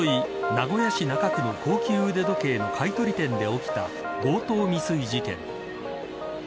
名古屋市中区の高級腕時計の買い取り店で起きた強盗未遂事件。